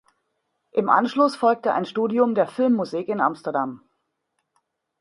Im Anschluss folgte ein Studium der Filmmusik in Amsterdam.